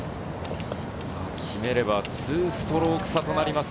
決めれば２ストローク差となります